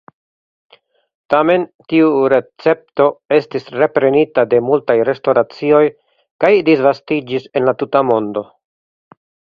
Tamen tiu recepto estis reprenita de multaj restoracioj kaj disvastiĝis en la tuta mondo.